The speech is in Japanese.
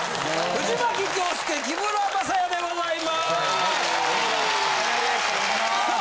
藤牧京介木村柾哉でございます！せの。